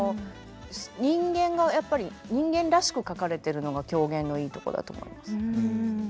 人間がやっぱり人間らしく描かれてるのが狂言のいいとこだと思います。